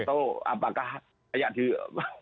atau apakah ya di apa